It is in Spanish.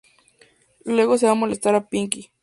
Luego se va a molestar a Pinkie.